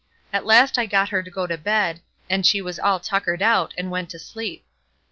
At last I got her to go to bed, and she was all tuckered out, and went to sleep.